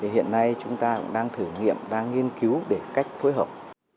hiện nay chúng ta cũng đang thử nghiệm đang nghiên cứu để cách phối hợp